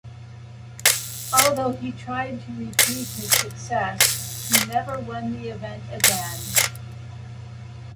Although he tried to repeat his success, he never won the event again.